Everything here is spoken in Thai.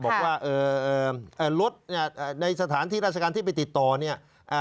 บอกว่ารถในสถานที่ราชการที่ไปติดตอนี่